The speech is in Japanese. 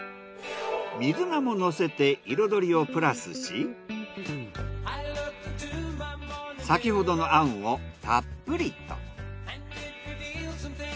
水菜ものせて彩りをプラスし先ほどのあんをたっぷりと。